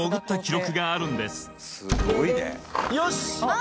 よし！